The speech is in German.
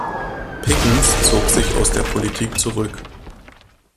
Pickens zog sich aus der Politik zurück.